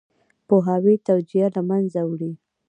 پوهاوی توجیه له منځه وړي.